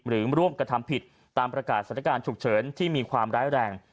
ร่วมกระทำผิดตามประกาศสถานการณ์ฉุกเฉินที่มีความร้ายแรง